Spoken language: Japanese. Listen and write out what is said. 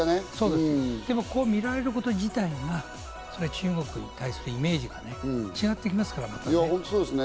でも、こう見られること自体が中国に対するイメージがね、違ってきますからね。